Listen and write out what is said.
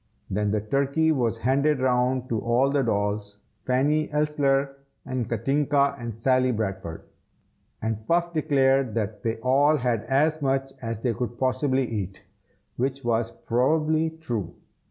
Then the turkey was handed round to all the dolls, Fanny Elssler and Katinka and Sally Bradford; and Puff declared that they all had as much as they could possibly eat, which was probably true.